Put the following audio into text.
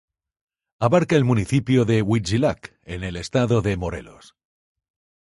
Abarca el municipio de Huitzilac en el Estado de Morelos.